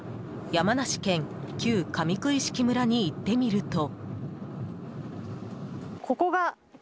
山梨県旧上九一色村に行ってみると。